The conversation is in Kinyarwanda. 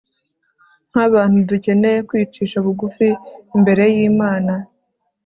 nk'abantu, dukeneye kwicisha bugufi imbere y'imana